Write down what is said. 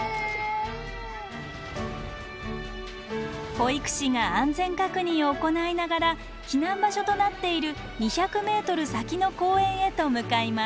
保育士が安全確認を行いながら避難場所となっている２００メートル先の公園へと向かいます。